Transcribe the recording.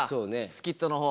スキットの方。